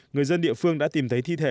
người dân địa phương đã tìm thấy thi thể